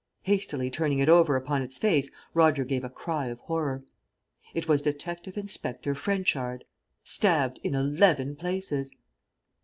Hastily turning it over upon its face, Roger gave a cry of horror. It was Detective Inspector Frenchard! Stabbed in eleven places!